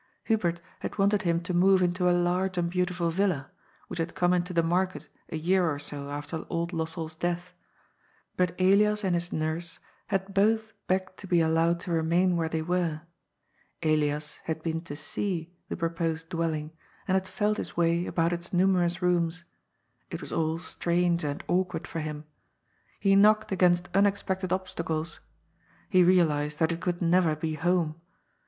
Hubert had wanted him to move into a large and beautiful villa, which had come into the market a year or so after old Lossell's death. But Elias and his nurse had both begged to be allowed to remain where they were. Elias had been to '^ see " the proposed dwelling, and had felt his way about its numerous rooms. It was all strange and awkward for him. He knocked against unexpected ob stacles. He realized that it could never be home.